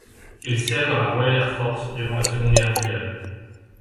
Il sert dans la Royal Air Force durant la Seconde Guerre mondiale.